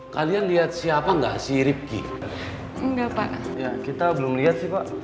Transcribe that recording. kalian lihat siapa enggak siripki enggak pak kita belum lihat